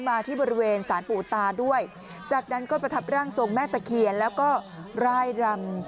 มาที่บริเวณสารปู่ตาด้วยจากนั้นก็ประทับร่างทรงแม่ตะเคียนแล้วก็ร่ายรำ